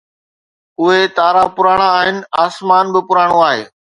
اهي تارا پراڻا آهن، آسمان به پراڻو آهي